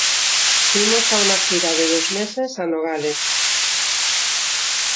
Fuimos a una gira de dos meses a Nogales.